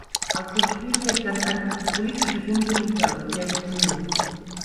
Auf dem Spiel steht ganz einfach die politische Sinngebung der Europäischen Union.